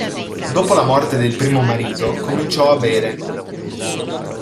Dopo la morte del primo marito cominciò a bere.